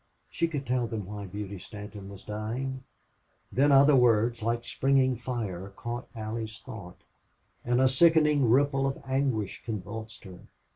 She could tell them why Beauty Stanton was dying. Then other words, like springing fire, caught Allie's thought, and a sickening ripple of anguish convulsed her.